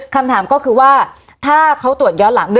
คำถามก็คือว่าถ้าเขาตรวจย้อนหลังด้วย